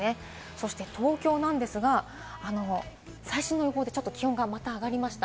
そして東京ですが、最新の予報で気温がまた上がりました。